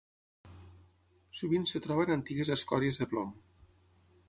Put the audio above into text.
Sovint es troba en antigues escòries de plom.